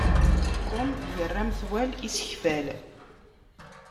Tom yerra metwal isekfal.